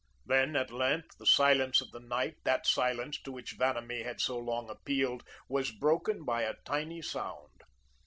Then, at length, the silence of the night, that silence to which Vanamee had so long appealed, was broken by a tiny sound.